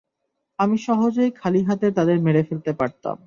আমি সহজেই খালি হাতে তাদের মেরে ফেলতে পারতাম।